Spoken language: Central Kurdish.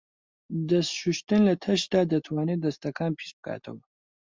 دەست شوشتن لە تەشتدا دەتوانێت دەستەکان پیسبکاتەوە.